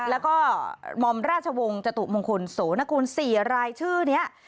แล้วก็มอมราชวงศ์จตุมงคลโสนกูล๔รายชื่อนี้